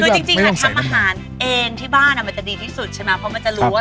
คือจริงค่ะทำอาหารเองที่บ้านมันจะดีที่สุดใช่ไหม